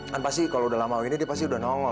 kan pasti kalau udah lama ini dia pasti udah nongol